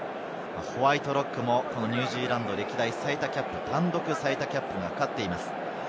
ホワイトロックもニュージーランド歴代最多キャップがかかっています。